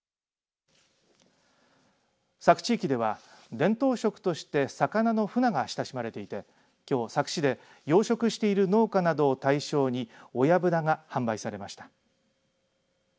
佐久地域では伝統食として魚のふなが親しまれていてきょう佐久市で養殖している農家などを対象に親ぶなが販売されました。